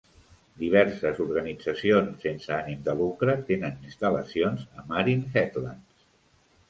Diverses organitzacions sense ànim de lucre tenen instal·lacions a Marin Headlands.